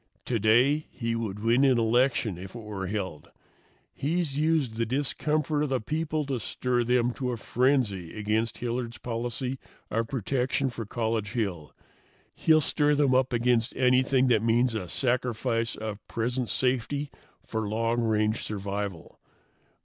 Today he would win an election if it were held. He's used the discomfort of the people to stir them to a frenzy against Hilliard's policy of protection for College Hill. He'll stir them up against anything that means a sacrifice of present safety for long range survival.